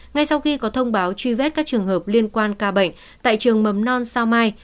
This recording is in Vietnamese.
ngay sau khi có thông báo truy vết các trường hợp liên quan ca bệnh tại trường mầm non sao mai